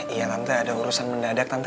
iya tante ada urusan benda adek tante